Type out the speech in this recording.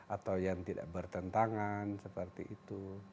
atau yang tidak bertentangan seperti itu